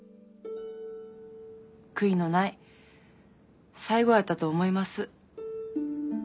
悔いのない最期やったと思います。